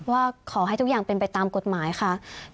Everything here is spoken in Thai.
ว่าขอให้ทุกอย่างเป็นไปตามกฎหมายค่ะ